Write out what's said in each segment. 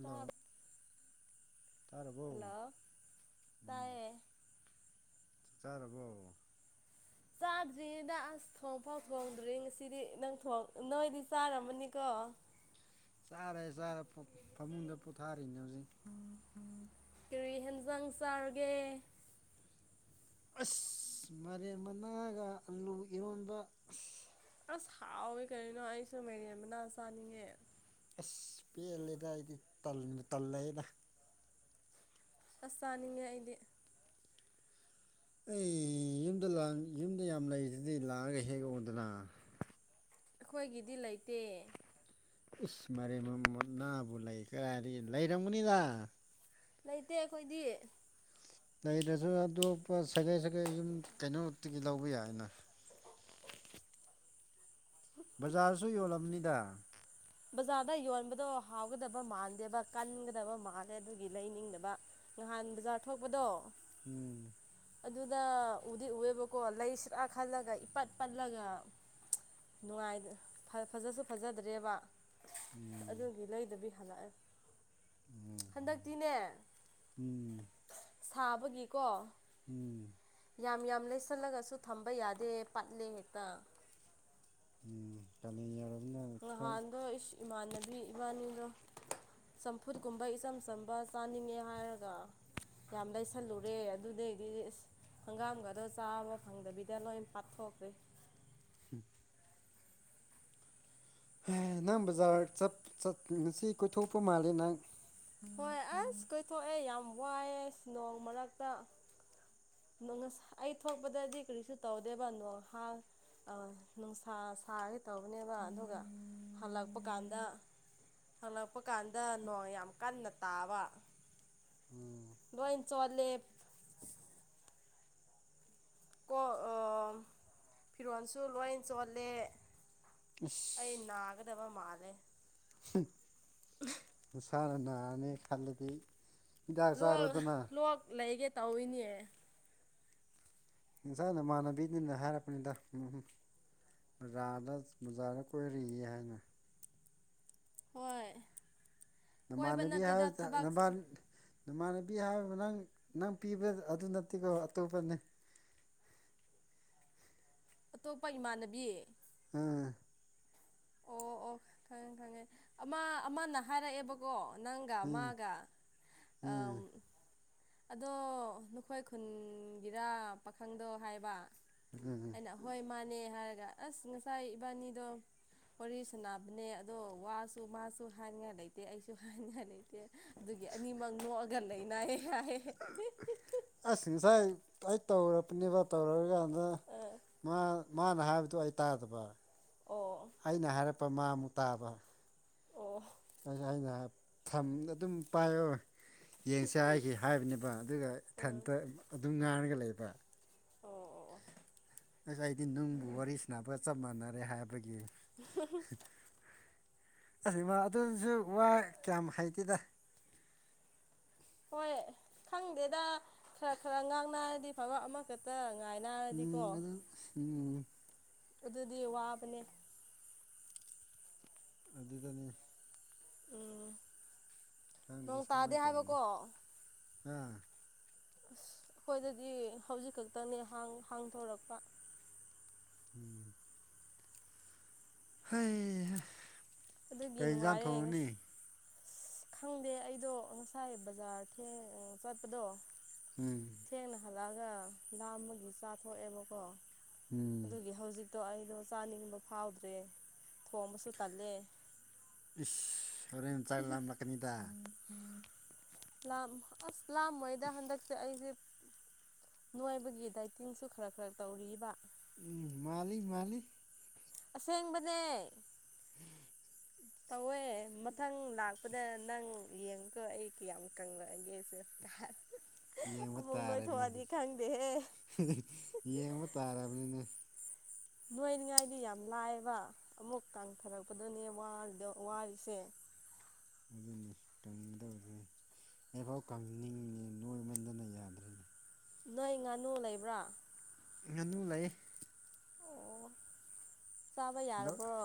ꯇꯞ ꯇꯔꯔꯕꯧꯝ ꯇꯥꯏꯌꯦ ꯆ ꯆꯥꯔꯔꯕꯣ ꯆꯥꯗ꯭ꯔꯤꯉꯩꯗ ꯑꯁ ꯊꯣꯡꯐꯥꯎ ꯊꯣꯡꯗ꯭ꯔꯤ ꯉꯁꯤꯗꯤ ꯅꯪ ꯅꯣꯏꯗꯤ ꯆꯥꯔꯝꯃꯅꯤꯀꯣ ꯆꯥꯔꯦ ꯆꯥꯔꯦ ꯐꯃꯨꯡꯗ ꯄꯣꯊꯥꯔꯤꯅꯦ ꯍꯧꯖꯤꯛ ꯀꯔꯤ ꯍꯦꯟꯖꯥꯡ ꯆꯥꯔꯒꯦ ꯑꯁ ꯃꯔꯦ ꯃꯅꯥꯒ ꯑꯂꯨ ꯏꯔꯣꯟꯕ ꯑꯁ ꯍꯥꯎꯏꯤ ꯀꯔꯤꯅꯣ ꯑꯩꯁꯨ ꯃꯦꯔꯦꯟ ꯃꯅꯥ ꯆꯥꯅꯤꯡꯉꯦ ꯑꯁ ꯄꯦꯜꯂꯦꯗ ꯑꯩꯗꯤ ꯇꯜꯂꯑꯦꯗ ꯑꯁ ꯆꯥꯅꯤꯡꯉꯦ ꯑꯩꯗꯤ ꯑꯩ ꯌꯨꯝꯗ ꯌꯨꯝꯗ ꯌꯥꯝ ꯂꯩꯔꯤꯁꯤꯗꯤ ꯂꯥꯛꯑꯒ ꯍꯦꯛ ꯑꯣꯗꯅ ꯑꯩꯈꯣꯏꯒꯤꯗꯤ ꯂꯩꯇꯦ ꯏꯁ ꯃ ꯃꯣꯍꯃꯠ ꯅꯥꯕꯨ ꯂꯩ ꯀꯗꯥꯥꯏ ꯍꯥꯏꯗꯤ ꯂꯩꯔꯝꯒꯅꯤꯗ ꯂꯩꯇꯦ ꯑꯩꯈꯣꯏꯗꯤ ꯂꯩꯗꯁꯨ ꯑꯇꯣꯞꯄ ꯁꯥꯒꯩ ꯁꯥꯒꯩ ꯌꯨꯝ ꯀꯩꯅꯣꯛꯇꯒꯤ ꯂꯧꯕ ꯌꯥꯏꯅ ꯕꯖꯥꯔꯁꯨ ꯌꯣꯜꯂꯝꯕꯅꯤꯗ ꯕꯖꯥꯔꯗ ꯌꯣꯟꯕꯗꯣ ꯍꯥꯎꯒꯗꯕ ꯃꯥꯟꯗꯦꯕ ꯀꯟꯒꯗꯕ ꯃꯥꯜꯂꯦ ꯑꯗꯨꯒꯤ ꯂꯩꯅꯤꯡꯗꯕ ꯅꯍꯥꯟ ꯕꯖꯥꯔ ꯊꯣꯛꯄꯗꯣ ꯎꯝ ꯑꯗꯨꯗ ꯎꯗꯤꯎꯑꯦꯕꯀꯣ ꯂꯩꯁꯤꯔꯥ ꯈꯜꯂꯒ ꯏꯄꯠ ꯄꯜꯂꯒ ꯅꯨꯡꯉꯥꯏ ꯐꯖꯁꯨ ꯐꯖꯗ꯭ꯔꯦꯕ ꯎꯝ ꯑꯗꯨꯒꯤ ꯂꯩꯗꯕꯤ ꯍꯜꯂꯛꯑꯦ ꯎꯝ ꯎꯝ ꯍꯟꯗꯛꯇꯤꯅꯦ ꯎꯝ ꯁꯥꯕꯒꯤꯀꯣ ꯎꯝ ꯌꯥꯝ ꯌꯥꯝ ꯂꯩꯁꯜꯂꯒꯁꯨ ꯊꯝꯕ ꯌꯥꯗꯦ ꯄꯠꯂꯦ ꯍꯦꯛꯇ ꯎꯝ ꯀ ꯌꯥꯣ ꯅꯍꯥꯟꯗꯣ ꯏꯁ ꯏꯃꯥꯟꯅꯕꯤ ꯏꯕꯥꯅꯤꯗꯣ ꯆꯝꯐꯨꯠꯀꯨꯝꯕ ꯏꯆꯝ ꯆꯝꯕ ꯆꯥꯅꯤꯡꯉꯦ ꯍꯥꯏꯔꯒ ꯌꯥꯝ ꯂꯩꯁꯜꯂꯨꯔꯦ ꯑꯗꯨꯗꯩꯗꯤ ꯑ ꯍꯪꯒꯥꯝꯒꯗꯣ ꯆꯥꯝꯕ ꯐꯪꯗꯕꯤꯗ ꯂꯣꯏ ꯄꯥꯊꯣꯛꯇꯦ ꯎꯝ ꯅꯪ ꯕꯖꯥꯔ ꯉꯁꯤ ꯀꯣꯏꯊꯣꯛꯄ ꯃꯥꯜꯂꯦ ꯅꯪ ꯍꯣꯏ ꯑꯁ ꯀꯣꯏꯊꯣꯛꯑꯦ ꯌꯥꯝ ꯋꯥꯏꯑꯦ ꯑꯁ ꯅꯣꯡ ꯃꯔꯛꯇ ꯅ ꯉꯁ ꯑꯩ ꯊꯣꯛꯄꯗꯗꯤ ꯀꯔꯤꯁꯨ ꯇꯧꯗꯦꯕ ꯅꯣꯥꯟ ꯅꯨꯡꯁꯥ ꯁꯥꯒꯦ ꯇꯧꯕꯅꯦꯕ ꯑꯗꯨꯒ ꯍꯜꯂꯛꯄ ꯀꯥꯟꯗ ꯍꯂ ꯏꯄ ꯀꯥꯟꯗ ꯅꯣ ꯀꯟꯅ ꯇꯥꯕ ꯂꯣꯏ ꯆꯣꯂꯦ ꯀꯣ ꯐꯤꯔꯣꯜꯁꯨ ꯂꯣꯏ ꯆꯣꯠꯂꯦ ꯑꯩ ꯏꯅꯥꯒꯗꯕ ꯃꯥꯂꯦ ꯁꯔ ꯅꯅꯥꯅꯦ ꯈꯂꯗꯤ ꯍꯤꯗꯥꯛ ꯂꯣꯛ ꯆꯥꯔꯨꯗꯅ ꯂꯣꯛ ꯂꯩꯒꯦ ꯇꯧꯋꯤꯅꯦ ꯏꯁꯟꯁꯥ ꯅꯃꯥꯟꯅꯕꯤꯅꯤꯅ ꯍꯥꯏꯔꯛꯄꯅꯤꯗ ꯎꯝ ꯖꯥꯗ ꯕꯖꯥꯗ ꯀꯣꯏꯔꯤ ꯍꯥꯏꯅ ꯍꯣꯏ ꯀꯣꯏꯕ ꯅꯃꯥꯟꯅꯕꯤ ꯅꯠꯇꯦꯗ ꯍꯥꯏ ꯊꯕꯛ ꯅꯃꯥꯟꯅꯕꯤ ꯍꯥꯏꯕ ꯅꯪ ꯅꯪ ꯄꯤꯕ ꯑꯗꯨ ꯅꯠꯇꯦꯀꯣ ꯑꯇꯣꯞꯄꯅꯤ ꯑꯇꯣꯞꯄ ꯏꯃꯥꯟꯅꯕꯤ ꯑꯝ ꯑꯣ ꯑꯣ ꯈꯪꯉꯦ ꯈꯪꯉꯦ ꯑꯃ ꯑꯃꯅ ꯍꯥꯏꯔꯛꯑꯦꯕꯀꯣ ꯅꯪꯒ ꯑꯥ ꯃꯥꯒ ꯑ ꯑꯥ ꯑꯗꯣ ꯅꯈꯣꯏ ꯈꯨꯟꯒꯤꯔꯥ ꯄꯥꯈꯪꯗꯣ ꯍꯥꯏꯕ ꯑꯥ ꯑꯩꯅ ꯍꯣꯏ ꯃꯥꯅꯦ ꯍꯥꯏꯔꯒ ꯑꯁ ꯉꯁꯥꯏ ꯏꯕꯥꯅꯤꯗꯣ ꯋꯥꯔꯤ ꯁꯅꯕꯅꯦ ꯑꯗꯣ ꯋꯥꯁꯨ ꯃꯥꯁꯨ ꯍꯥꯏꯅꯤꯡꯉꯥꯏ ꯂꯩꯇꯦ ꯑꯩꯁꯨ ꯍꯥꯏꯅꯤꯡꯉꯥꯏ ꯂꯩꯇꯦ ꯑꯗꯨꯒꯤ ꯑꯅꯤꯃꯛ ꯅꯣꯛꯑꯒ ꯂꯩꯅꯍꯦ ꯍꯥꯏꯦ ꯑꯁ ꯉꯁꯥꯏ ꯑꯩ ꯇꯧꯔꯛꯄꯅꯦꯕ ꯇꯧꯔꯑ ꯀꯥꯟꯗ ꯃꯥꯅ ꯍꯥꯏꯕ ꯑꯗꯨ ꯑꯩ ꯇꯥꯗꯕ ꯑꯣ ꯑꯩꯅ ꯍꯥꯏꯔꯛꯄ ꯃꯥꯃꯨꯛ ꯇꯥꯕ ꯑꯣ ꯑ ꯑꯩꯅ ꯊꯝ ꯑꯗꯨꯝ ꯄꯥꯏꯌꯣ ꯌꯦꯡꯁꯦ ꯍꯥꯏꯈꯤ ꯍꯥꯏꯕꯅꯦꯕ ꯑꯗꯨꯒ ꯎꯝ ꯏꯊꯟꯇ ꯑꯗꯨꯝ ꯉꯥꯡꯔꯒ ꯂꯩꯕ ꯑꯣ ꯑꯣ ꯑꯁ ꯑꯩꯗꯤ ꯅꯨꯡꯕꯨ ꯋꯥꯔꯤ ꯁꯅꯕꯒ ꯆꯞ ꯃꯥꯟꯅꯔꯦ ꯍꯥꯏꯕꯒꯤ ꯑꯁ ꯏꯃꯥ ꯑꯗꯨꯁꯨ ꯋꯥ ꯀꯌꯥꯝ ꯍꯥꯏꯒꯦꯗ ꯍꯣꯏ ꯈꯪꯗꯦꯗ ꯈꯔ ꯈꯔ ꯉꯥꯡꯅꯔꯗꯤ ꯐꯕ ꯑꯃꯈꯛꯇ ꯉꯥꯏ ꯎꯝ ꯑꯗꯨꯗ ꯎꯝ ꯑꯗꯨꯗꯤ ꯋꯥꯕꯅꯦ ꯑꯗꯨꯗꯅꯤ ꯎꯝ ꯅꯪ ꯇꯥꯗꯤ ꯍꯥꯏꯕꯀꯣ ꯍꯥꯝ ꯑꯁ ꯑꯩꯈꯣꯏꯗꯗꯤ ꯍꯧꯖꯤꯛ ꯈꯛꯇꯅꯤ ꯍꯥꯡꯗꯣꯔꯛꯄ ꯎꯝ ꯍꯣꯏ ꯀꯖꯥꯟ ꯊꯣꯑꯅꯤ ꯑꯁ ꯈꯪꯗꯦ ꯑꯩꯗꯣ ꯉꯁꯥꯏ ꯕꯖꯥꯔ ꯊ ꯆꯠꯄꯗꯣ ꯎꯝ ꯍꯠꯂꯛꯑꯒ ꯂꯥꯝꯕꯒꯤ ꯆꯥꯊꯣꯛꯑꯦꯕꯀꯣ ꯎꯝ ꯑꯗꯨꯒꯤ ꯍꯧꯖꯤꯛ ꯑꯗꯣ ꯑꯩꯗꯣ ꯆꯥꯅꯤꯡꯕ ꯐꯥꯎꯗ꯭ꯔꯦ ꯊꯣꯡꯕꯁꯨ ꯇꯜꯂꯦ ꯏꯁ ꯁꯣꯔꯦꯟ ꯃ ꯆꯥ ꯂ ꯂꯀꯅꯤꯗ ꯂ ꯑꯁ ꯂꯥꯝꯃꯣꯏꯗ ꯍꯟꯗꯛꯁꯦ ꯑꯩꯁꯦ ꯉꯥꯏꯕꯒꯤ ꯗꯥꯏꯇꯤꯡꯁꯨ ꯈꯔ ꯈꯔ ꯇꯧꯔꯤꯕ ꯎꯝ ꯃꯥꯜꯂꯤ ꯃꯥꯜꯂꯤ ꯑꯁꯦꯡꯕꯅꯦ ꯇꯧꯋꯦ ꯃꯊꯪ ꯂꯥꯛꯄꯗ ꯅꯪ ꯌꯦꯡꯉꯨꯀꯣ ꯑꯩ ꯀꯌꯥꯝ ꯀꯪꯉꯛꯑꯒꯦ ꯑꯩꯁꯦ ꯌꯦꯡꯕ ꯇꯥꯔꯦ ꯅ ꯈꯪꯗꯦꯍꯦ ꯌꯦꯡꯕ ꯇꯥꯔꯕꯅꯤꯅ ꯅꯣꯏꯅꯤꯉꯥꯏꯗꯤ ꯌꯥꯝ ꯂꯥꯏꯑꯕ ꯑꯃꯨꯛ ꯀꯥꯡꯊꯔꯛꯄꯗꯅꯦ ꯋꯥꯔꯤꯁꯦ ꯑꯗꯨ ꯏꯗꯔ ꯑꯩꯐꯥꯎ ꯀꯪꯅꯤꯡꯉꯤꯅꯦ ꯅꯣꯏꯃꯟꯗꯅ ꯌꯥꯗ꯭ꯔꯤꯅꯦ ꯅꯣꯏ ꯉꯥꯅꯨ ꯂꯩꯕ꯭ꯔꯥ ꯉꯉ ꯑꯗꯨ ꯂꯩ ꯑꯣ ꯆꯥꯕ ꯑꯗꯣ ꯌꯥꯔꯕ꯭ꯔꯣ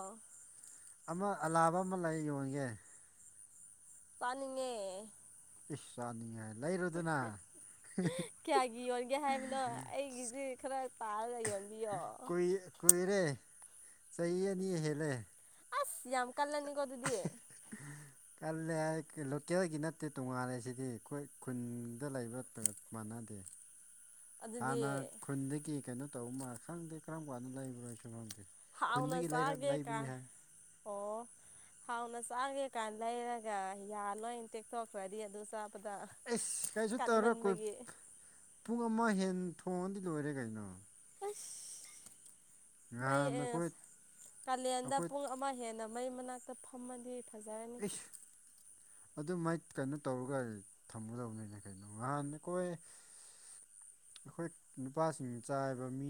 ꯑꯃ ꯑꯂꯥꯕ ꯑꯃ ꯂꯩ ꯌꯣꯟꯒꯦ ꯄꯥꯅꯤꯡꯉꯦ ꯏꯁꯥꯅꯤ ꯍꯥꯏ ꯀꯌꯥꯒꯤ ꯌꯣꯟꯒꯦ ꯍꯥꯏꯕꯅꯣ ꯑꯩꯒꯤꯁꯤ ꯈꯔ ꯄꯥꯔꯒ ꯌꯣꯟꯜꯂꯤꯒ ꯀꯨ ꯀꯨꯏꯔꯦ ꯆꯍꯤ ꯑꯅꯤ ꯍꯦꯜꯂꯦ ꯑꯁ ꯌꯥꯝ ꯀꯜꯂꯅꯤꯀꯣ ꯑꯗꯨꯗꯤ ꯎꯝ [unintelligible] [inaudible] ꯀꯜꯂꯦ ꯂꯣꯀꯦꯜꯒꯤ ꯅꯠꯇꯦ ꯇꯣꯉꯥꯜꯂꯦ ꯁꯤꯗꯤ ꯑꯩꯈꯣꯏ ꯈꯨꯟꯗ ꯂꯩꯕ ꯃꯥꯟꯅꯗꯦ [unintelligible] [inaudible] ꯑꯗꯨꯗꯤ ꯍꯥꯟꯅ ꯈꯨꯟꯗꯒꯤ ꯀꯩꯅꯣ ꯇꯧꯕ ꯃꯥꯜ ꯈꯪꯗꯦ ꯀꯔꯝ ꯀꯥꯟꯗ ꯂꯩꯕ꯭ꯔꯣꯏ ꯁꯂꯣꯝꯗꯦ ꯍꯥꯎꯥꯎꯅ ꯆꯥꯒꯦ ꯀꯥ ꯑꯣ ꯍꯥꯎꯅ ꯆꯥꯒꯦ ꯀꯥꯏꯅ ꯂꯩꯔꯒ ꯌꯥꯜ ꯂꯣꯏꯅ ꯇꯦꯛꯊꯣꯛꯈ꯭ꯔꯗꯤ ꯑꯗꯨ ꯆ ꯑꯩꯁ ꯀꯩꯁꯨ ꯇꯧꯔ ꯀꯣꯏ ꯄꯨꯡ ꯑꯃ ꯍꯦꯟ ꯊꯣꯡꯉꯗꯤ ꯂꯣꯏꯔꯦ ꯀꯩꯅꯣ ꯩ ꯉꯍꯥꯟ ꯑꯩꯈꯣꯏ ꯀꯥꯂꯦꯟꯗ ꯑꯩꯈꯣꯏ ꯄꯨꯡ ꯑꯃ ꯍꯦꯕ ꯃꯩ ꯃꯅꯥꯛꯇ ꯐꯝꯃꯗꯤ ꯐꯖꯔꯅꯤ ꯑꯗꯨ ꯃꯥꯏ ꯀꯩꯅꯣ ꯇꯧꯔꯒ ꯊꯝꯃꯗꯕꯅꯤꯅꯦ ꯀꯩꯅꯣ ꯅꯍꯥꯟ ꯑꯩꯈꯣꯏ ꯑꯩꯈꯣꯏ ꯅꯨꯄꯥꯁꯤꯡ ꯆꯥꯏꯕ ꯃꯤ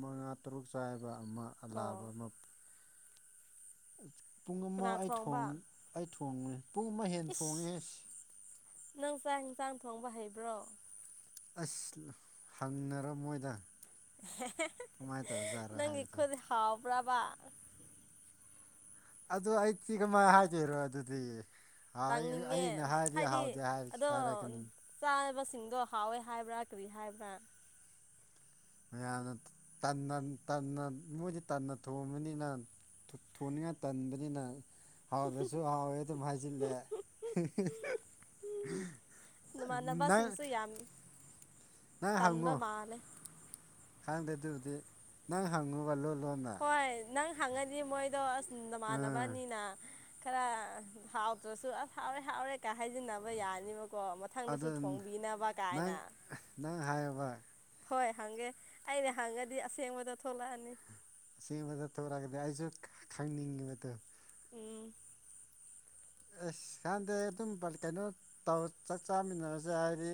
ꯃꯉꯥ ꯇꯔꯨꯛ ꯆꯥꯏꯕ ꯑꯃ ꯑꯂꯥꯕ ꯀꯣ ꯑꯃ ꯄꯨꯡ ꯑꯃ ꯀꯅꯥ ꯑꯩ ꯊꯣꯡꯕ ꯑꯩ ꯊꯣꯡꯉꯦ ꯄꯨꯡ ꯑꯃ ꯍꯦꯟꯅ ꯏꯁ ꯊꯣꯡꯉꯦꯁ ꯅꯪ ꯆꯥꯛ ꯌꯦꯟꯁꯥꯡ ꯊꯣꯡꯕ ꯍꯩꯕ꯭ꯔꯣ ꯑꯁ ꯍꯪꯅꯔ ꯃꯣꯏꯗ ꯀꯃꯥꯏꯅ ꯇꯧꯔꯖꯥꯠꯔꯥ ꯅꯪ ꯍꯥꯏꯕꯗꯣ ꯏꯈꯣꯗꯤ ꯍꯥꯎꯕ꯭ꯔꯕ ꯑꯗꯨ ꯑꯩꯗꯤꯤ ꯀꯃꯥꯏ ꯍꯥꯏꯒꯣꯏꯔꯣ ꯑꯗꯨꯗꯤ ꯍꯥꯏ ꯇꯥꯡꯅꯤꯡꯉꯦ ꯑꯩꯅ ꯍꯥꯏꯔꯗꯤ ꯍꯥꯏꯗꯤ ꯍꯥꯎꯗꯦ ꯑꯗꯣ ꯍꯥꯏꯔꯛꯀꯅꯤ ꯆꯥꯅꯕ ꯁꯤꯡꯗꯣ ꯍꯥꯎꯋꯏ ꯍꯥꯏꯕ꯭ꯔꯥ ꯀꯔꯤ ꯍꯥꯏꯕ꯭ꯔꯥ ꯃꯌꯥꯝꯅ ꯃꯣꯏꯁꯦ ꯇꯟꯅ ꯊꯣꯡꯕꯅꯤꯅ ꯊꯨꯅꯤꯡꯉꯥꯏ ꯇꯟꯕꯅꯤꯅ ꯍꯥꯎ ꯔꯖꯨ ꯍꯥꯎꯇ ꯃꯥꯏꯁꯤꯂꯦ ꯎꯝ ꯃꯅꯕꯁꯤꯡꯁꯨ ꯌꯥꯝꯃꯤ ꯅꯪ ꯄꯕ ꯍꯪꯉꯣ ꯃꯥꯅꯦ ꯈꯪꯗꯦ ꯑꯗꯨꯕꯨꯗꯤ ꯅꯪ ꯍꯪꯉꯨꯕ ꯂꯣ ꯂꯣꯟꯅ ꯍꯣꯏ ꯅꯪ ꯍꯪꯉꯗꯤ ꯃꯣꯏꯗꯣ ꯑꯁ ꯎꯝ ꯅꯃꯥꯟꯅꯕꯅꯤꯅ ꯈꯔ ꯍꯥꯎꯇ꯭ꯔꯁꯨ ꯑꯁ ꯍꯥꯎꯔꯦ ꯍꯥꯎꯔꯦ ꯀ ꯍꯥꯏꯖꯤꯟꯅꯕ ꯌꯥꯅꯤꯕ ꯀꯣ ꯃꯊꯪꯗꯁꯨ ꯑꯗꯨ ꯊꯣꯡꯕꯤꯅꯕ ꯅꯪ ꯀꯥꯏꯅ ꯅꯪ ꯍꯥꯏꯌꯣꯕ ꯍꯣꯏ ꯍꯪꯒꯦ ꯑꯩꯅ ꯍꯪꯉꯗꯤ ꯑꯁꯦꯡꯕꯗ ꯊꯣꯛꯂꯛꯑꯅꯤ ꯁꯤꯁ ꯊꯔꯁꯨ ꯈꯪꯅꯤꯡꯦ ꯃ ꯎꯝ ꯑꯁ ꯍꯥꯟꯗꯦ ꯑꯗꯨꯝ ꯀꯩꯅꯣ ꯇꯧ ꯆꯥꯛ ꯆꯥꯃꯤꯟꯅꯕꯁꯦ ꯍꯥꯏꯗꯤ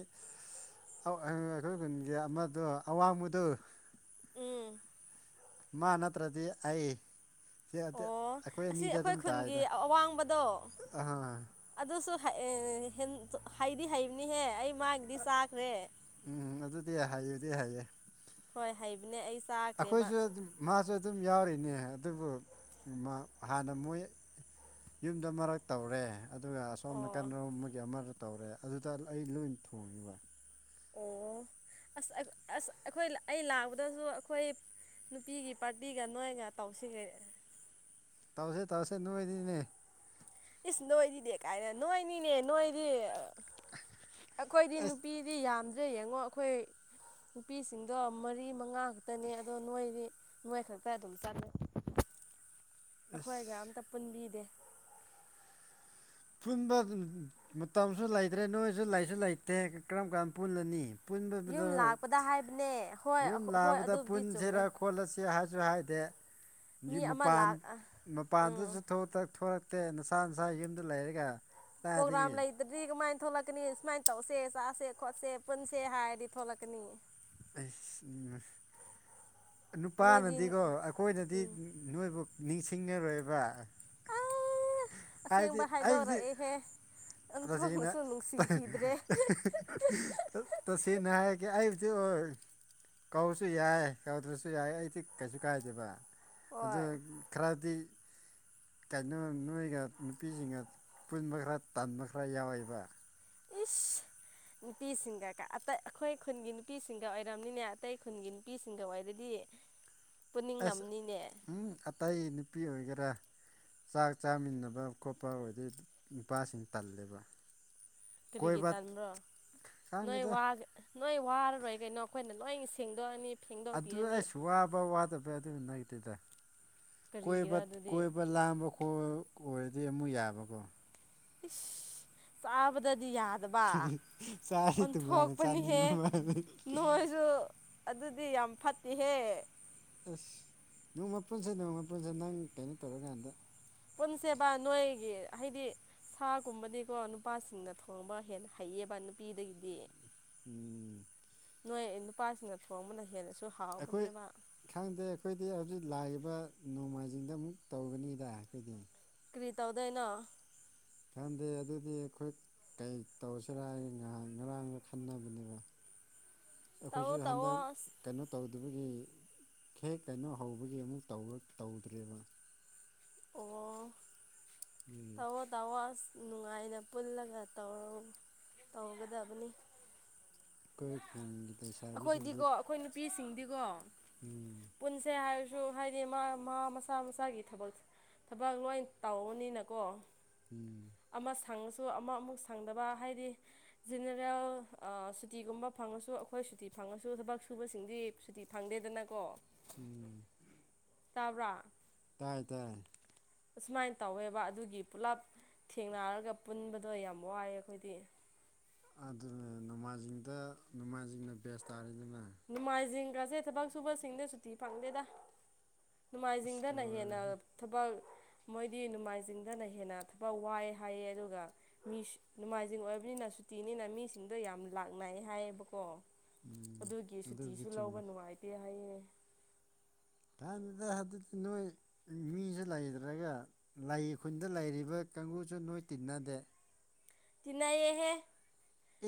ꯑꯩꯈꯣꯏ ꯈꯨꯟꯒꯤ ꯑꯃꯗꯣ ꯑꯋꯥꯡꯕꯗꯨ ꯎꯝ ꯃꯥ ꯅꯠꯇ꯭ꯔꯗꯤ ꯑꯩ ꯁꯤ ꯑꯣ ꯑꯩꯈꯣꯏ ꯑꯁꯤ ꯑꯅꯤꯗ ꯑꯩꯈꯣꯏ ꯑꯗꯨꯝ ꯈꯨꯟꯒꯤ ꯇꯥꯏꯗ ꯑꯋꯥꯡꯕꯗꯣ ꯑꯥ ꯑꯗꯨꯁꯨ ꯑꯦ ꯍꯦꯟ ꯍꯗꯤ ꯍꯥꯏꯩꯅꯤ ꯍꯦ ꯑꯩ ꯃꯒꯤꯗꯤ ꯆꯈ꯭ꯔꯦ ꯎꯝ ꯑꯗꯨꯗꯤ ꯍꯩꯕꯗꯤ ꯍꯩꯌꯦ ꯍꯣꯏ ꯍꯥꯏꯕꯅꯦ ꯑꯩ ꯆꯥꯈ꯭ꯔꯦꯕ ꯑꯩꯈꯣꯏꯁꯨ ꯑꯗꯨꯝ ꯃꯥꯁꯨ ꯑꯗꯨꯝ ꯌꯥꯎꯔꯤ ꯅꯦ ꯑꯗꯨꯕꯨ ꯍꯥꯟꯅ ꯃꯣꯏ ꯌꯨꯝꯗ ꯃꯔꯛ ꯇꯧꯔꯦ ꯑꯗꯨꯒ ꯑꯁꯣꯝ ꯅꯥ ꯑꯣ ꯀꯅꯥꯨꯝ ꯑꯃꯒꯤꯒꯤ ꯑꯃ ꯇꯧꯔꯦ ꯑꯗꯨꯗ ꯑꯩ ꯂꯣꯏ ꯕ ꯑ ꯑꯁ ꯑꯩꯈꯣꯏ ꯑꯩ ꯂꯥꯛꯄꯗꯁꯨ ꯑꯩꯈꯣꯏ ꯅꯨꯄꯤꯒꯤ ꯄꯥꯔꯇꯤꯒ ꯅꯣꯏꯒ ꯇꯧꯁꯤꯒ ꯇꯧꯁꯦ ꯇꯥꯎꯁꯦ ꯅꯣꯏꯗꯤꯅꯦ ꯏꯁ ꯅꯣꯏꯗꯤꯅꯦ ꯀꯥꯏꯅ ꯅꯣꯏꯅꯤꯅꯦ ꯅꯣꯏꯗꯤ ꯑꯩꯈꯣꯏꯗꯤ ꯑꯁ ꯅꯨꯄꯤꯗꯤ ꯌꯥꯝꯗ꯭ꯔꯦ ꯌꯦꯡꯉꯣ ꯑꯩꯈꯣꯏ ꯅꯨꯄꯤꯁꯤꯡꯗꯣ ꯃꯔꯤ ꯃꯉꯥ ꯈꯛꯇꯅꯤ ꯑꯗꯣ ꯅꯣꯏꯗꯤ ꯅꯣꯏ ꯈꯛꯇ ꯑꯗꯨꯝ ꯆꯠꯂ [unintelligible] ꯑꯁ ꯑꯩꯈꯣꯏꯒ ꯑꯝꯇ ꯄꯨꯟꯕꯤꯗꯦ ꯄꯨꯟꯕ ꯃꯇꯝꯁꯨ ꯂꯩꯇ꯭ꯔꯦ ꯅꯣꯏꯁꯨ ꯂꯩꯁꯨ ꯂꯩꯇꯦ ꯀꯔꯝ ꯀꯥꯟ ꯄꯨꯜꯂꯅꯤ ꯌꯨꯝ ꯄꯨꯟꯕꯗ ꯂꯥꯛꯄꯗ ꯍꯥꯏꯕꯅꯦ ꯍꯣꯏ ꯌꯨꯝ ꯍꯣꯏ ꯂꯥꯛꯕꯗ ꯑꯗꯨꯕꯨꯗꯤ ꯆꯨꯝꯃꯦ ꯄꯨꯟꯁꯤꯔ ꯈꯣꯠꯂꯁꯤ ꯨ ꯍꯥꯏꯗꯦ ꯃꯤ ꯑꯃ ꯃꯄꯥꯟ ꯂꯥꯛ ꯃꯄꯥꯟꯗꯁꯨ ꯎꯝ ꯅꯠꯇꯦ ꯅꯁꯥ ꯅꯁꯥ ꯌꯨꯝꯗ ꯂꯩꯔꯒ ꯀꯗꯥꯏꯗꯒꯤ ꯄꯣꯒ꯭ꯔꯥꯝ ꯂ ꯏꯔꯗꯤꯒꯃꯥꯏ ꯊꯣꯛꯂꯛꯀꯅꯤ ꯁꯨꯃꯥꯏꯅ ꯇꯧꯁꯦ ꯆꯁꯦ ꯈꯣꯠꯁꯦ ꯄꯨꯟꯁꯦ ꯍꯥꯏꯔꯗꯤ ꯊꯣꯛꯂꯛꯀꯅꯤ ꯑꯩ ꯎ ꯅꯣꯏꯗꯤ ꯅꯨꯄꯥꯅꯗꯤꯀꯣ ꯑꯩꯈꯣꯏꯅꯗꯤ ꯎꯝ ꯅꯣꯏꯕꯨ ꯅꯤꯡꯁꯤꯡꯉꯔꯣꯏꯕ ꯑꯥ ꯍꯥꯏꯗꯤ ꯑꯁꯦꯡꯕ ꯑꯕꯗꯤ ꯍꯥꯏꯗꯣꯔꯛꯑꯦꯍꯦ ꯁꯤꯅ ꯑꯣꯟꯊꯣꯛꯅꯁꯨ ꯅꯨꯡꯁꯤꯈꯤꯗ꯭ꯔꯦ ꯇ ꯁꯤꯅꯅꯥ ꯀ ꯑ ꯑꯗꯨ ꯑꯣꯏ ꯀꯧꯔꯁꯨ ꯌꯥꯏ ꯀꯧꯗ꯭ꯔꯁꯨ ꯌꯥꯏ ꯑꯩꯗꯤ ꯀꯩꯁꯨ ꯀꯥꯏꯗꯦꯕ ꯑꯗꯣ ꯍꯣꯏ ꯈꯔꯗꯤ ꯀꯩꯅꯣ ꯅꯣꯏꯒ ꯅꯨꯄꯤꯁꯤꯡꯒ ꯄꯨꯟꯕ ꯈꯔ ꯇꯥꯟꯕ ꯈꯔ ꯌꯥꯎꯋꯦꯕ ꯏꯁ ꯅꯨꯄꯤꯁꯤꯡꯒ ꯑ ꯑꯩꯈꯣꯏ ꯈꯨꯟꯒꯤ ꯅꯨꯄꯤꯁꯤꯡꯒ ꯑꯣꯏꯔꯕꯝꯅꯤꯅꯦ ꯑꯇꯩ ꯈꯨꯟꯒꯤ ꯅꯨꯄꯤꯁꯤꯡꯒ ꯑꯣꯏꯔꯗꯤ ꯇꯦ ꯑꯁ ꯎꯝ ꯑꯇꯩ ꯅꯨꯄꯤ ꯑꯣꯏꯒꯦꯔꯥ ꯆꯥꯛ ꯆꯥꯃꯤꯟꯅꯕ ꯈꯣꯠꯄ ꯑꯣꯏꯔꯗꯤ ꯅꯨꯄꯥꯁꯤꯡ ꯇꯜꯂꯦꯕ ꯀꯔꯤꯒꯤ ꯀꯣꯏꯕ ꯇꯥꯟꯕ꯭ꯔꯣ ꯅꯣꯏ ꯈꯪꯗꯦꯗ ꯋꯥꯒ ꯅꯣꯏ ꯋꯥꯔꯔꯣꯏ ꯀꯩꯅꯣ ꯑꯩꯈꯣꯏꯅ ꯂꯣꯏ ꯁꯦꯡꯗꯣꯛꯑꯅꯤ ꯑꯗꯨ ꯐꯦꯡꯗꯣꯛꯄꯤꯔꯅꯤ ꯑꯁ ꯋꯥꯕ ꯋꯥꯗꯕ ꯑꯗꯨ ꯅꯗꯨꯦꯗ ꯀꯔꯤꯒꯤꯔ ꯕ ꯑꯗꯨꯗꯤ ꯀꯣꯏꯕ ꯂꯥꯝꯕ ꯈꯣꯠꯄ ꯑꯣꯏꯔꯗꯤ ꯑꯃꯨꯛ ꯌꯥꯕꯀꯣ ꯏ ꯑꯥꯕꯗ ꯌꯥꯗꯕ ꯆꯥꯗꯤ ꯇꯣꯉꯥꯟꯅ ꯑꯣꯟꯊꯣꯛꯄꯅꯤꯍꯦ ꯆꯥꯅꯤꯡꯕ ꯃꯥꯜꯂꯦ ꯅꯣꯏꯁꯨ ꯑꯗꯨꯗꯤ ꯌꯥꯝ ꯐꯠꯇꯦꯍꯦ ꯑꯁ ꯅꯣꯡ ꯃꯄꯨꯟꯁꯦ ꯅꯣꯡ ꯃꯥꯄꯨꯟꯁꯦ ꯅꯪ ꯀꯩꯅꯣ ꯇꯧꯔꯀꯥꯟꯗ ꯄꯨꯟꯁꯦꯕ ꯅꯣꯏꯒꯤ ꯍꯥꯏꯗꯤ ꯁꯥꯒꯨꯝꯕꯗꯤꯀꯣ ꯅꯨꯄꯥꯁꯤꯡꯅ ꯊꯣꯡꯕ ꯍꯦꯟꯅ ꯍꯩꯌꯦꯕ ꯅꯨꯄꯤꯗꯒꯤꯗꯤ ꯎꯝ ꯅꯣꯏ ꯅꯨꯄꯥꯁꯤꯡꯅ ꯊꯣꯡꯕꯅ ꯍꯦꯟꯅ ꯑꯩꯈꯣꯏ ꯈꯪꯗꯦ ꯑꯩꯈꯣꯏꯗꯤ ꯍꯧꯖꯤꯛ ꯂꯥꯛ ꯅꯣꯡꯃꯥꯏꯖꯤꯡꯗ ꯑꯃꯨꯛ ꯇꯧꯒꯅꯤꯗ ꯑꯩꯈꯣꯏꯗꯤ ꯀ꯭ꯔꯤ ꯇꯧꯗꯅ ꯈꯪꯗꯦ ꯑꯗꯨꯗꯤ ꯑꯩꯈꯣꯏ ꯀꯩ ꯇꯧꯁꯤꯔꯥ ꯉꯔꯥꯡꯒ ꯈꯟꯅꯕꯅꯦꯕ ꯑꯩꯈꯣꯏꯁꯨ ꯇꯧꯑꯣ ꯍꯟꯗꯛ ꯇꯧꯑꯣ ꯑꯁ ꯀꯩꯅꯣ ꯇꯧ ꯑꯗꯨꯒꯤ ꯍꯦꯛ ꯀꯩꯅꯣ ꯍꯧꯕꯒꯤ ꯑꯃꯨꯛ ꯇꯧꯔ ꯇꯧꯗ꯭ꯔꯦꯕ ꯑꯣ ꯑꯗꯨꯒꯤ ꯇꯣ ꯇꯋꯥ ꯅꯨꯡꯉꯥꯏꯅ ꯄꯨꯜꯂꯒꯧ ꯇꯧꯒꯗꯕꯅꯤ ꯑꯩꯈꯣꯏ ꯈꯨꯟꯒꯤ ꯂꯩꯁꯥꯕꯤꯁꯤꯡꯗꯤ ꯑꯩꯈꯣꯏꯗꯤꯀꯣ ꯑꯩꯈꯣꯏ ꯅꯨꯄꯤꯁꯤꯡꯗꯤꯀꯣ ꯎꯝ ꯄꯨꯟꯁꯦ ꯍꯥꯏꯜ ꯊ꯭ꯔꯨ ꯍꯥꯏꯗꯤ ꯃꯥ ꯃꯥ ꯃꯁꯥ ꯃꯁꯥꯒꯤ ꯊꯕꯛ ꯊꯕꯛ ꯂꯣꯏ ꯇꯧꯧꯕꯅꯤꯅꯀꯣ ꯎꯝ ꯁꯪꯉꯁꯨ ꯑꯃꯨꯛ ꯑꯃꯨꯛ ꯁꯪꯗꯕ ꯍꯥꯏꯗꯤ ꯖꯤꯦꯅꯔꯦꯜ ꯁꯨꯇꯤꯒꯨꯝꯕ ꯐꯪꯉꯁꯨ ꯑꯩꯈꯣꯏ ꯁꯨꯇꯤ ꯐꯪꯉꯁꯨ ꯊꯕꯛ ꯁꯨꯕꯁꯤꯡꯗꯤ ꯁꯨꯇꯤ ꯐꯪꯗꯦꯗꯅꯀꯣ ꯎꯝ ꯇꯥꯕ꯭ꯔꯥ ꯇꯥꯏ ꯇꯥꯏ ꯑꯁꯨꯃꯥꯏꯅ ꯇꯧꯋꯦꯕ ꯑꯗꯨꯒꯤ ꯄꯨꯂꯞ ꯊꯦꯡꯅꯔꯒ ꯄꯨꯟꯕꯗꯣ ꯌꯥꯝ ꯋꯥꯏꯑꯦ ꯑꯩꯈꯣꯏꯗꯤ ꯑꯗꯨꯅ ꯅꯣꯡꯃꯥꯏꯖꯤꯡꯗ ꯅꯣꯡꯃꯥꯏꯁꯤꯡꯅ ꯕꯦꯁ ꯇꯥꯔꯤꯗꯅ ꯅꯣꯡꯃꯥꯏꯖꯤꯡ ꯀꯥꯁꯦ ꯊꯕꯛ ꯁꯨꯕꯁꯤꯡꯗ ꯁꯨꯇꯤ ꯐꯪꯗꯦꯗ ꯑꯁ ꯅꯣꯡꯃꯥꯏꯖꯤꯡꯗꯅ ꯍꯦꯟꯅ ꯂꯣꯏꯔꯦꯍꯦ ꯊꯕꯛ ꯃꯣꯏꯗꯤ ꯅꯣꯡꯃꯥꯏꯖꯤꯡꯗꯅ ꯍꯦꯟꯅ ꯊꯕꯛ ꯋꯥꯏ ꯍꯥꯏꯌꯦ ꯑꯗꯨꯒ ꯃꯤ ꯅꯣꯡꯃꯥꯏꯖꯤꯡ ꯑꯣꯏꯕꯅꯤꯅꯁꯨ ꯁꯨꯇꯤꯅꯤꯅ ꯃꯤꯁꯤꯡꯗꯣ ꯌꯥꯝ ꯂꯥꯛꯅ ꯍꯥꯏꯌꯦꯕꯀꯣ ꯎꯝ ꯑꯗꯨꯒꯤ ꯑꯗꯨꯕꯨꯗꯤ ꯁꯨꯇꯤꯁꯨ ꯂꯧꯕ ꯆꯨꯝꯃꯦ ꯅꯨꯡꯉꯥꯏꯇꯦ ꯍꯥꯏꯌꯦ ꯑꯥꯟꯕꯗ ꯍꯥꯏꯖꯤꯛꯇꯤ ꯅꯣꯏ ꯃꯤꯁꯤ ꯂꯩꯇ꯭ꯔꯒ ꯂꯩ ꯈꯨꯟꯗ ꯂꯩꯔꯤꯕ ꯀꯥꯡꯒꯨꯁꯨ ꯅꯣꯏ ꯇꯤꯟꯅꯗꯦ ꯇꯤꯟꯅꯩꯌꯦꯦꯍꯦ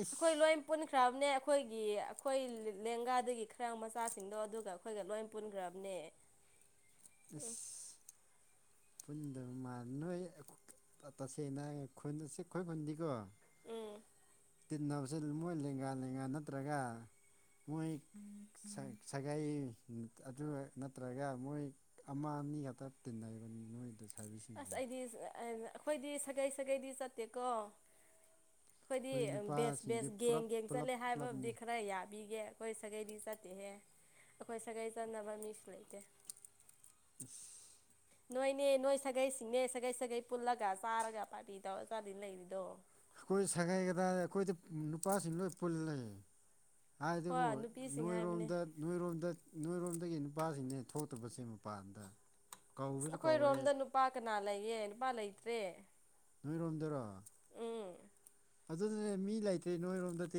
ꯏꯁ ꯂꯣꯏ ꯄꯨꯅꯤꯡ ꯈ꯭ꯔꯕꯅꯦ ꯑꯩꯈꯣꯏꯒꯤ ꯑꯩꯈꯣꯏ ꯂꯦꯡꯒꯥꯗꯒꯤ ꯈꯔ ꯃꯆꯥꯁꯤꯡꯗꯣ ꯑꯗꯨꯒ ꯑꯩꯈꯣꯏꯒ ꯂꯣꯏ ꯄꯨꯟꯈ꯭ꯔꯕꯅꯦ [unintelligible] ꯑ ꯈꯨꯟꯗ ꯃꯥꯜ ꯅꯣꯏ ꯇꯁꯦꯡꯅ ꯈꯣꯏ ꯈꯨꯟꯗꯤꯀꯣ ꯎꯝ ꯇꯤꯟꯅꯕꯁꯦ ꯃꯣꯏ ꯂꯦꯡꯒꯥ ꯂꯦꯡꯒꯥ ꯅꯠꯇ꯭ꯔꯒ ꯃꯣꯏ ꯁꯒꯥꯏ ꯑꯗꯨ ꯅꯠꯇ꯭ꯔꯒ ꯃꯣꯏ ꯑꯃ ꯑꯅꯤ ꯈꯛꯇ ꯇꯤꯟꯅꯩ ꯑꯁ ꯑꯩꯗꯤ ꯑꯩꯈꯣꯏꯗꯤ ꯁꯥꯒꯩ ꯁꯥꯒꯩꯗꯤ ꯆꯠꯇꯦꯀꯣ ꯑꯩꯈꯣꯏꯗꯤ ꯑꯩꯈꯣꯏ ꯕꯦꯁ ꯅꯨꯄꯥꯁꯤꯡꯗꯤ ꯕꯦꯁ ꯒꯦꯡ ꯄꯨꯂꯞ ꯒꯦꯡ ꯄꯨꯂꯞ ꯆꯠꯂꯦ ꯄꯨꯂꯞꯅꯤ ꯍꯥꯏꯕꯕꯨꯗꯤ ꯈꯔ ꯌꯥꯕꯤꯒꯦ ꯑꯩꯈꯣꯏ ꯁꯥꯒꯩꯗꯤ ꯆꯠꯇꯦꯍꯦ ꯑꯩꯈꯣꯏ ꯁꯥꯒꯩ ꯆꯠꯅꯕ ꯃꯤꯁꯨ ꯂꯩꯇꯦ ꯎ ꯅꯣꯏꯅꯦ ꯅꯣꯏ ꯁꯥꯒꯩꯁꯤꯡꯅꯦ ꯁꯥꯒꯩ ꯁꯥꯒꯩ ꯄꯨꯜꯂꯒ ꯆꯥꯔꯒ ꯄꯥꯔꯇꯤ ꯇꯧꯔ ꯆꯥꯗꯤ ꯂꯩꯔꯤꯗꯣ ꯑꯩꯈꯣꯏ ꯁꯒꯥꯏ ꯀꯗ ꯑꯩꯈꯣꯏꯗꯤ ꯅꯨꯄꯥꯁꯤꯡ ꯂꯣꯏ ꯄꯨꯜ ꯂꯩ ꯍꯥꯏꯗꯨꯕꯨ ꯍꯣꯏ ꯅꯨꯄꯤꯁꯤꯡ ꯍꯥꯏꯕꯅꯦ ꯅꯣꯏꯔꯣꯝꯗ ꯅꯣꯏꯔꯣꯝꯗ ꯅꯣꯏꯔꯣꯝꯗꯒꯤ ꯅꯨꯄꯥꯁꯤꯡꯅꯦ ꯊꯣꯛꯇꯕꯁꯦ ꯃꯄꯥꯟꯗ ꯑ ꯀꯧꯕꯁꯨ ꯀꯧꯔꯦ ꯑꯩꯈꯣꯏꯔꯣꯝꯗ ꯅꯨꯄꯥ ꯀꯅꯥ ꯂꯩꯌꯦ ꯅꯨꯄꯥ ꯂꯩꯇ꯭ꯔꯦ ꯅꯣꯏꯔꯣꯝꯗꯔꯣ ꯑꯦ ꯑꯗꯨꯅꯅꯦ ꯃꯤ ꯂꯩꯇ꯭ꯔꯦ ꯅꯣꯏꯔꯣꯝꯗꯗꯤ